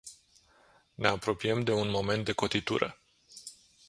Ne apropiem de un moment de cotitură.